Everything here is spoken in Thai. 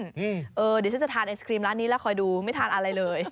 เดี๋ยวฉันจะทานไอศครีมร้านนี้แล้วคอยดูไม่ทานอะไรเลย